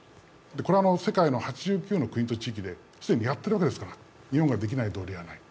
これは８９の国と地域で既にやっているわけですから、日本ができないということはない。